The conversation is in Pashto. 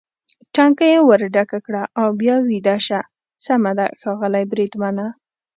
ټانکۍ یې ور ډکه کړه او بیا ویده شه، سمه ده ښاغلی بریدمنه.